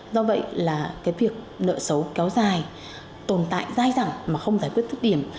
do vậy là cái việc nợ xấu kéo dài tồn tại dài dẳng mà không giải quyết thức điểm